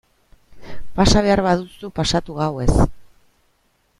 Pasa behar baduzu pasatu gauez...